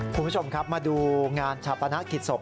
คุณผู้ชมครับมาดูงานชาปนกิจศพ